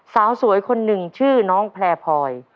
สาวสวยคนหนึ่งชื่อน้องแพร่พลอย